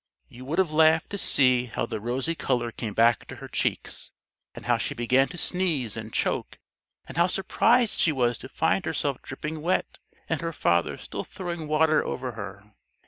You would have laughed to see how the rosy color came back to her cheeks, and how she began to sneeze and choke, and how surprised she was to find herself dripping wet and her father still throwing water over her.